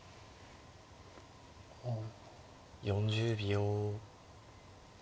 ４０秒。